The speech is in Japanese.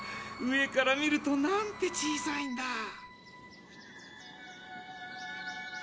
上から見るとなんて小さいんだ。